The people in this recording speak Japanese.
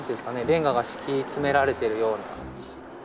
レンガが敷き詰められてるような。